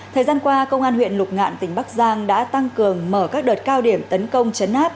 thời gian qua công an huyện lục ngạn tỉnh bắc giang đã tăng cường mở các đợt cao điểm tấn công chấn áp